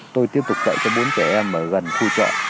tôi tiếp tục dạy cho bốn trẻ em ở gần khu chợ